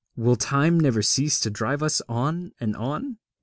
Will Time never cease to drive us on and on?